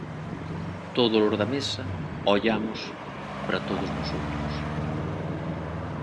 Todos os da mesa ollamos para todos nosoutros.